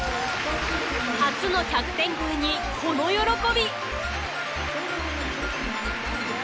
初の１００点超えにこの喜び！